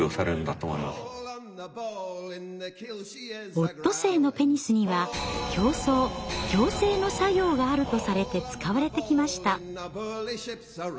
オットセイのペニスには強壮強精の作用があるとされて使われてきました。